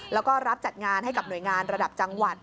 แล้วก็รับจัดงานให้กับหน่วยงานระดับจังหวัด